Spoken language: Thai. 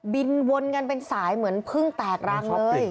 วนกันเป็นสายเหมือนเพิ่งแตกรัง